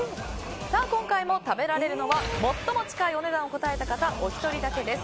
今回も食べられるのは最も近いお値段を答えた方おひとりだけです。